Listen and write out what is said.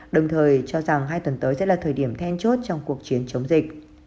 đồng thời cho rằng hai tuần tới sẽ là thời điểm then chốt trong cuộc chiến chống dịch